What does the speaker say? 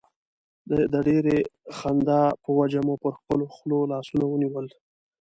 د ډېرې خندا په وجه مو پر خپلو خولو لاسونه ونیول.